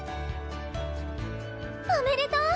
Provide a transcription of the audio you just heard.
おめでとう！